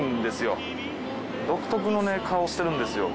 独特のね顔してるんですよ。